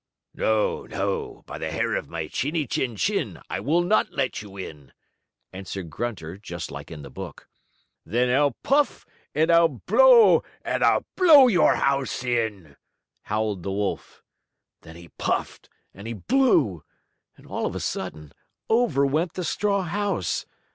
"No! No! By the hair of my chinny chin chin. I will not let you in!" answered Grunter, just like in the book. "Then I'll puff and I'll blow, and I'll blow your house in!" howled the wolf. Then he puffed and he blew, and, all of a sudden, over went the straw house.